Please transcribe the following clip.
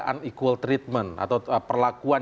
unequal treatment atau perlakuan